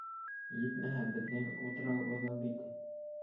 Етмәһә, беҙҙең утрау оҙон бит.